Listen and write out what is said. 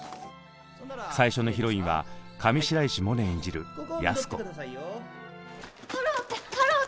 最初のヒロインは上白石萌音演じる安子。